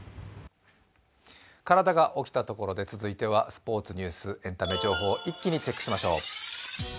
体が起きたところで、続いてはスポーツ、ニュース、エンタメ情報、一気にチェックしましょう。